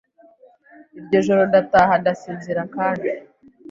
iryo joro ndataha ndasinzira kandi